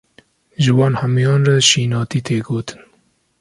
Ji wan hemûyan re şînatî tê gotin.